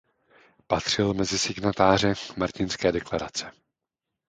Patřil mezi signatáře "Martinské deklarace".